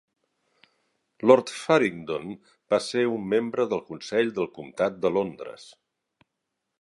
Lord Faringdon va ser un membre del Consell del comtat de Londres.